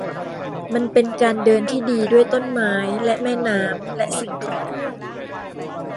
มันเป็นการเดินที่ดีด้วยต้นไม้และแม่น้ำและสิ่งของ